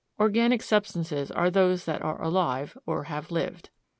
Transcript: Organic substances are those that are alive or have lived.